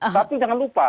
tapi jangan lupa